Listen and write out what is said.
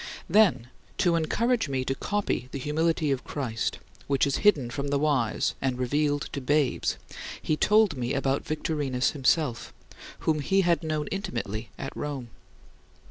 Then, to encourage me to copy the humility of Christ, which is hidden from the wise and revealed to babes, he told me about Victorinus himself, whom he had known intimately at Rome.